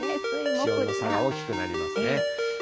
気温の差が大きくなりますからね。